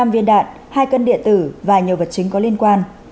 năm viên đạn hai cân điện tử và nhiều vật chứng có liên quan